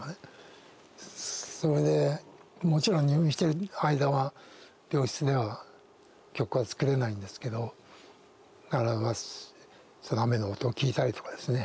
それでもちろん入院してる間は病室では曲は作れないんですけど雨の音を聞いたりとかですね